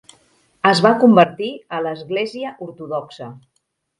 Es va convertir a l'Església Ortodoxa.